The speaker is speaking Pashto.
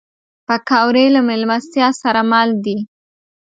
پکورې له میلمستیا سره مل دي